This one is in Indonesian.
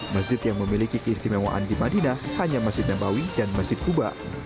masjid yang memiliki keistimewaan di madinah hanya masjid nabawi dan masjid kuba